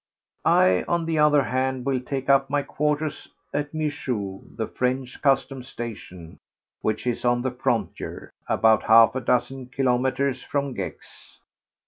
I, on the other hand, will take up my quarters at Mijoux, the French customs station, which is on the frontier, about half a dozen kilometres from Gex.